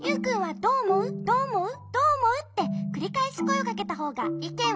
どうおもう？」ってくりかえしこえをかけたほうがいけんを言いやすいよ。